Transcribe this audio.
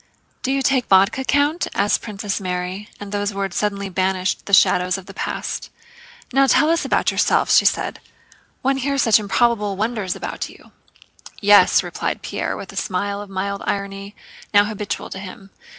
"Do you take vodka, Count?" asked Princess Mary, and those words suddenly banished the shadows of the past. "Now tell us about yourself," said she. "One hears such improbable wonders about you." "Yes," replied Pierre with the smile of mild irony now habitual to him.